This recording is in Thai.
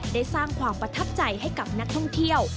ได้สร้างความประทับใจให้กับนักท่องเที่ยว